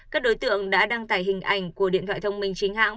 các đối tượng đã đăng tải hình ảnh của điện thoại thông minh chính hãng